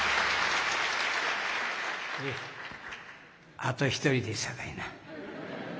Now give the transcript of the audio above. あと一人ですさかいな。